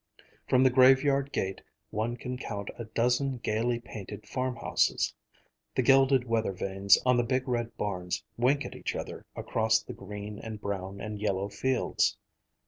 From the graveyard gate one can count a dozen gayly painted farmhouses; the gilded weather vanes on the big red barns wink at each other across the green and brown and yellow fields.